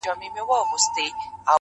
د پښتو اشعار يې دُر لعل و مرجان کړه-